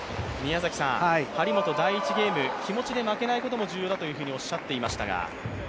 張本、第１ゲーム気持ちで負けないことも重要だとおっしゃっていましたが。